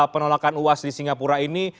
penolakan uas di singapura ini